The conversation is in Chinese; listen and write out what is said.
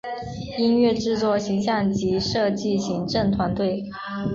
音乐制作形像及设计行政团队